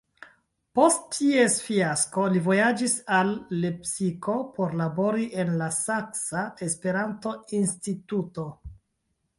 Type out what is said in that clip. Post ties fiasko li vojaĝis al Lepsiko por labori en la Saksa Esperanto-Instituto.